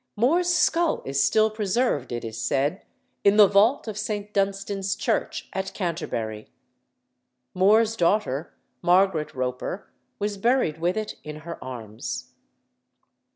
More's skull is still preserved, it is said, in the vault of St. Dunstan's Church at Canterbury. More's daughter, Margaret Roper, was buried with it in her arms.